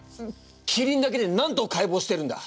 キリンだけで何頭解剖してるんだ？